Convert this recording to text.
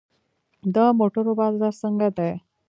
د موټرو بازار څنګه دی؟